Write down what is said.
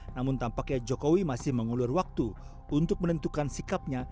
namun tampaknya jokowi masih mengulur waktu untuk menentukan sikapnya